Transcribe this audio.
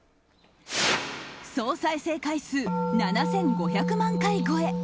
総再生回数７５００万回超え。